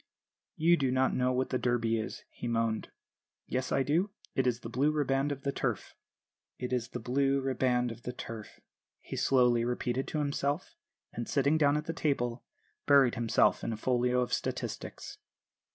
"'You do not know what the Derby is,' he moaned. "'Yes, I do; it is the Blue Riband of the Turf.' "'It is the Blue Riband of the Turf,' he slowly repeated to himself; and, sitting down at a table, buried himself in a folio of statistics."